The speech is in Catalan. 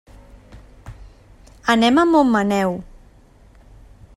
Anem a Montmaneu.